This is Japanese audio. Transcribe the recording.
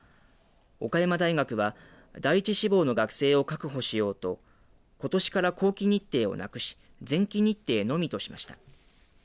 岡山大学は第一志望の学生を確保しようとことしから後期日程をなくし前期日程のみとしました。